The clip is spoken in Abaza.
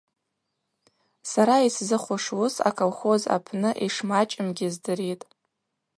Сара йсзыхуш уыс аколхоз апны йшмачӏымгьи здыритӏ.